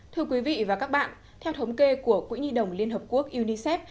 thưa quý vị và các bạn theo thống kê của quỹ nhi đồng liên hợp quốc unicef